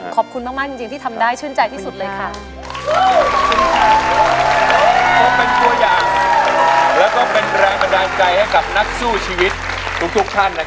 ขอบคุณมากจริงที่ทำได้ชื่นใจที่สุดเลยค่ะ